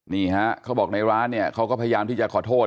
นี่ครับเขาบอกในร้านเขาก็พยายามที่จะขอโทษ